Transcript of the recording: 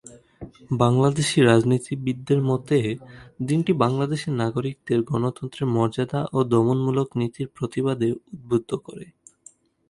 বাংলাদেশি রাজনীতিবিদদের মতে দিনটি বাংলাদেশের নাগরিকদের গণতন্ত্রের মর্যাদা ও দমনমূলক নীতির প্রতিবাদে উদ্বুদ্ধ করে।